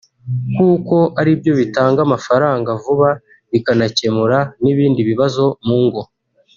kuko ari byo bitanga amafaranga vuba bikanakemura n’ibindi bibazo mu ngo